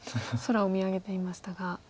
空を見上げていましたが。